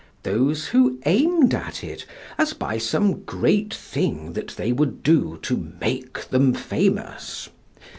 Those who aimed at it as by some great thing that they would do to make them famous?